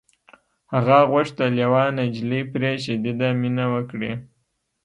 هغه غوښتل یوه نجلۍ پرې شدیده مینه وکړي